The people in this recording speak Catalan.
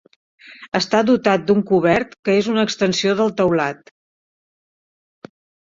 Està dotat d'un cobert que és una extensió del teulat.